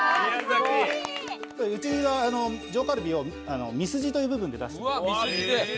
うちは上カルビをミスジという部分で出してます。